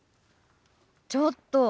ちょっと！